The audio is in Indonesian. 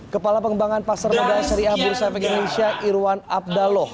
kepala pengembangan pasar modal syariah bursa efek indonesia irwan abdallah